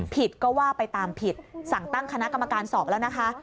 ผิดก็ว่าไปตามผิดสั่งตั้งคณะกรรมการสอบแล้วนะคะ